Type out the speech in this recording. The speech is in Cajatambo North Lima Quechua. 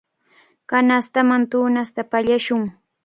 Kanastaman tunasta pallashun.